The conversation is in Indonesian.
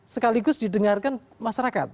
sekaligus didengarkan masyarakat